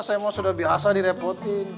saya mah sudah biasa direpotin